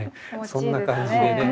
そんな感じでね。